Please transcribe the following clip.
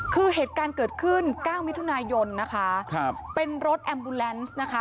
คือเหตุการณ์เกิดขึ้นเก้ามิถุนายนนะคะครับเป็นรถแอมบูแลนซ์นะคะ